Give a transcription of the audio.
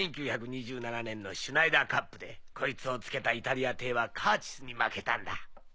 １９２７年のシュナイダー・カップでこいつをつけたイタリア艇はカーチスに負けたんだ。